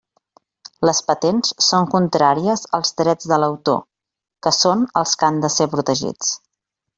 Les patents són contràries als drets de l'autor, que són els que han de ser protegits.